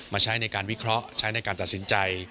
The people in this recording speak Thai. ใช้ในการวิเคราะห์ใช้ในการตัดสินใจ